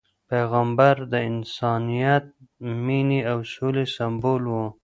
پیغمبر د انسانیت، مینې او سولې سمبول و.